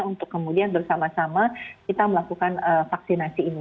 untuk kemudian bersama sama kita melakukan vaksinasi ini